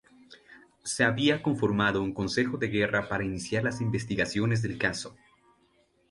Se había conformado un Consejo de Guerra para iniciar las investigaciones del caso.